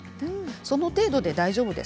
その程度で大丈夫です。